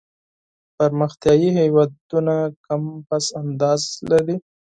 پرمختیایي هېوادونه کم پس انداز لري.